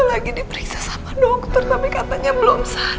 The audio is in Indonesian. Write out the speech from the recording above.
elsa lagi diperiksa sama dokter tapi katanya belum sadar sayang